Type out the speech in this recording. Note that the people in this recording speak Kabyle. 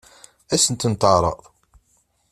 Ad sen-tent-teɛṛeḍ?